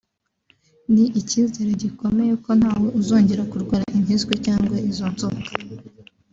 ni icyizere gikomeye ko ntawe uzongera kurwara impiswi cyangwa izo nzoka